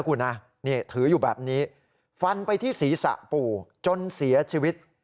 คุณนะนี่ถืออยู่แบบนี้ฟันไปที่ศีรษะปู่จนเสียชีวิต